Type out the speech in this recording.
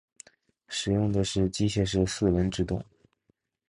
使用的是机械式四轮制动。